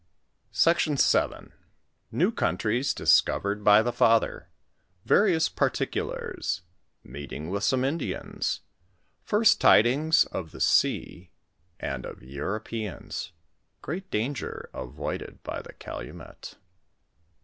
II SECTION VII. NfaW COUNTSIES DISCOVSRED BY THE FATHER.— VARIOUa PARTICVLAItS.— UBETINO WITH SOME ISDIANS. FIRST TTDmaS OF THE SEA AND OF EURO. PEAKS.— ORBAT DANOBR AVOWED BY THE CALUMET.